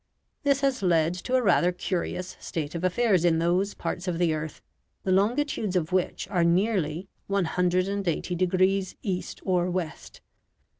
This has led to a rather curious state of affairs in those parts of the earth the longitudes of which are nearly 180 degrees east or west.